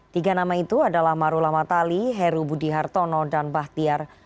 tiga nama itu adalah marulama tali heru budi hartono dan bahtiar